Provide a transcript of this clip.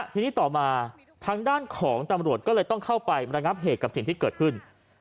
ทีนี้ต่อมาทางด้านของตำรวจก็เลยต้องเข้าไประงับเหตุกับสิ่งที่เกิดขึ้น